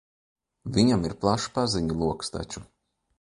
Viņam ir plašs paziņu loks taču.